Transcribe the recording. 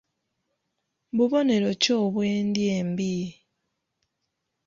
Bubonero ki obw'endya embi?